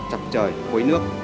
chập trời khối nước